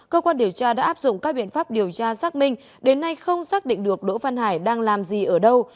cơ quan điều tra đã áp dụng các biện pháp điều tra xác minh đến nay không xác định được đỗ văn hải đang làm gì ở đâu